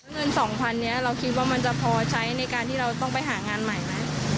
เงิน๒๐๐นี้เราคิดว่ามันจะพอใช้ในการที่เราต้องไปหางานใหม่ไหม